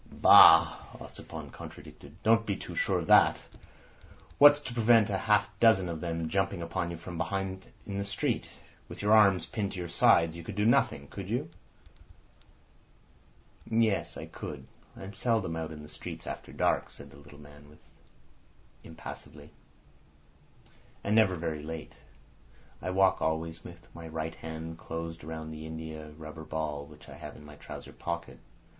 "Bah!" Ossipon contradicted. "Don't be too sure of that. What's to prevent half a dozen of them jumping upon you from behind in the street? With your arms pinned to your sides you could do nothing—could you?" "Yes; I could. I am seldom out in the streets after dark," said the little man impassively, "and never very late. I walk always with my right hand closed round the india rubber ball which I have in my trouser pocket.